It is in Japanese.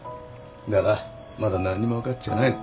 だからまだ何にも分かっちゃいないの。